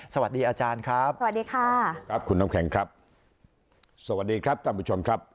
สวัสดีอาจารย์ครับสวัสดีค่ะครับคุณน้ำแข็งครับสวัสดีครับท่านผู้ชมครับ